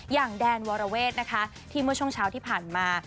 อย่างแดนวรเวทนะคะที่เมื่อช่วงเช้าที่ผ่านมา